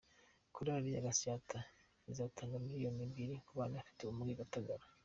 Korali ya Gatsata izatanga miliyoni ebyiri ku bana bafite ubumuga i Gatagara